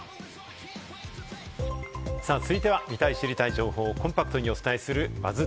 続いては、見たい、知りたい情報をコンパクトにお伝えするＢＵＺＺ